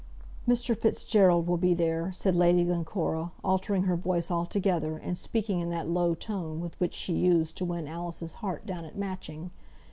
"Mr. Fitzgerald will be there," said Lady Glencora, altering her voice altogether, and speaking in that low tone with which she used to win Alice's heart down at Matching.